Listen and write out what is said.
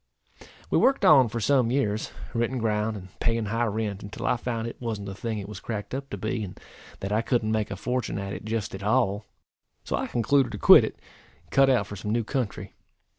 We worked on for some years, renting ground, and paying high rent, until I found it wan't the thing it was cracked up to be; and that I couldn't make a fortune at it just at all. So I concluded to quit it, and cut out for some new country.